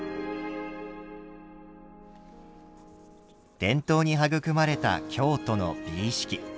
伝統に育まれた京都の美意識。